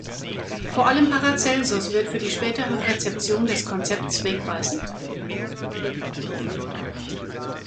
Vor allem Paracelsus wird für die spätere Rezeption des Konzepts wegweisend.